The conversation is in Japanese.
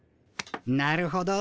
なるほど。